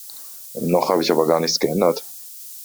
Noch habe ich aber gar nichts geändert.